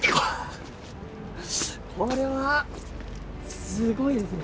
これはすごいですね。